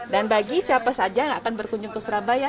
bagi siapa saja yang akan berkunjung ke surabaya